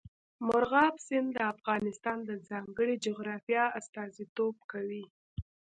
مورغاب سیند د افغانستان د ځانګړي جغرافیه استازیتوب کوي.